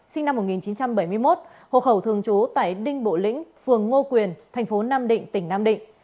sinh năm một nghìn chín trăm bảy mươi một hộ khẩu thường trú tại đinh bộ lĩnh phường ngô quyền thành phố nam định tỉnh nam định